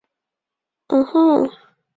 秋季大赛出现的黑马式强队。